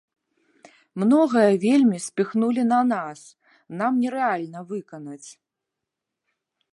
Многае вельмі спіхнулі на нас, нам нерэальна выканаць.